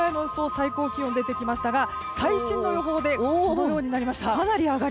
最高気温出てきましたが最新の予報でこのようになりました。